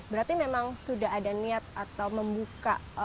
berarti memang sudah ada niat atau membuka